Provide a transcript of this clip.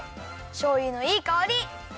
しょうゆのいいかおり！